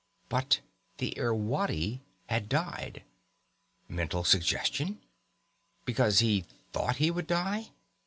But the Irwadi had died. Mental suggestion? Because he thought he would die?